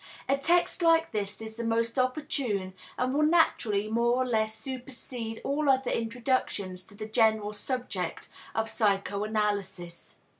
A text like this is the most opportune and will naturally more or less supersede all other introductions to the general subject of psychoanalysis.